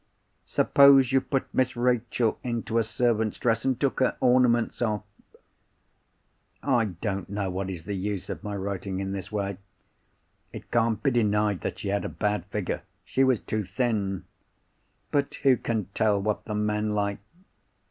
Suppose you put Miss Rachel into a servant's dress, and took her ornaments off? I don't know what is the use of my writing in this way. It can't be denied that she had a bad figure; she was too thin. But who can tell what the men like?